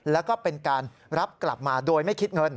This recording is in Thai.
แล้วก็เป็นการรับกลับมาโดยไม่คิดเงิน